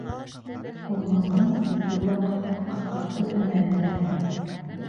Урмандың үҫеү ваҡытын ҡыҫҡартыу әмәле лә бар.